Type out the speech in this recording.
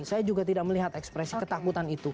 saya juga tidak melihat ekspresi ketakutan itu